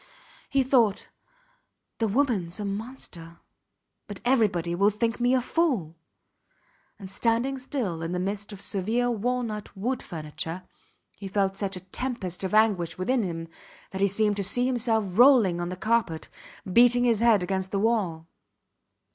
He thought: The womans a monster, but everybody will think me a fool; and standing still in the midst of severe walnut wood furniture, he felt such a tempest of anguish within him that he seemed to see himself rolling on the carpet, beating his head against the wall.